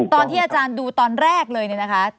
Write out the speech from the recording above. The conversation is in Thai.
ตอนที่อาจารย์ดูตอนแรกเลยเนี่ยนะคะ